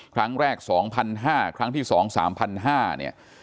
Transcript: ครั้งแรก๒๕๐๐ครั้งที่๒๓๕๐๐เนี่ย